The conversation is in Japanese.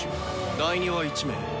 第２は１名。